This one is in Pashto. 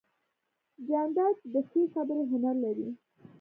جانداد د ښې خبرې هنر لري.